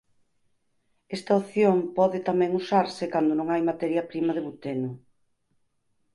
Esta opción pode tamén usarse cando non hai materia prima de buteno.